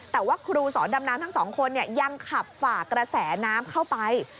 แต่ว่าครูสอนดำน้ำทั้งสองคนยังขับฝ่ากระแสน้ำเข้าไป